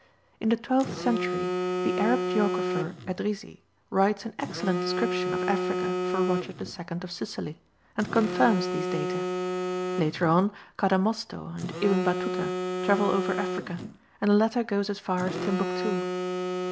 In the twelfth century, the Arab geographer Edrisi writes an excellent description of Africa for Roger II. of Sicily, and confirms these data. Later on, Cadamosto and Ibn Batuta travel over Africa, and the latter goes as far as Timbuctoo.